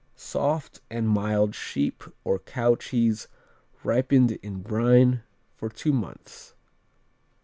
Soft and mild sheep or cow cheese ripened in brine for two months.